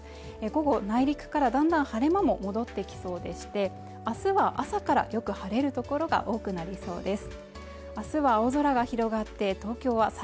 午後内陸からだんだん晴れ間も戻ってきそうでして明日は朝からよく晴れる所が多くなりそうです